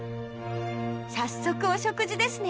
早速お食事ですね